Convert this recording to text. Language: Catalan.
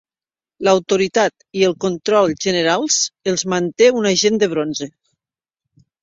L'autoritat i el control generals els manté un agent de 'bronze'.